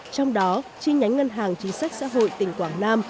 trong đó chi nhánh ngân hàng chính sách xã hội tỉnh quảng nam